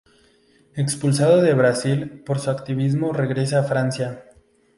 Expulsado de Brasil por su activismo, regresa a Francia.